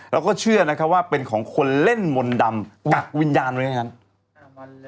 แล้วก็เชื่อว่าเป็นของคนเล่นมนตร์ดำกักวิญญาณเหมือนกันนั้น